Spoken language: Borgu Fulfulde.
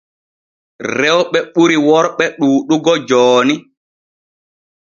Rewɓe ɓuri worɓe ɗuuɗugo jooni.